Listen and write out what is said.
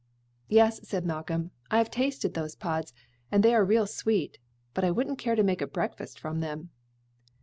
"Yes," said Malcolm, "I have tasted those pods, and they are real sweet; but I wouldn't care to make a breakfast from them."